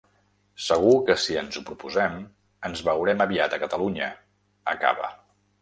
Segur que si ens ho proposem, ens veurem aviat a Catalunya, acaba.